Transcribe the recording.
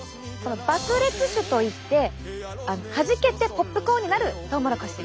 爆裂種といってはじけてポップコーンになるトウモロコシ。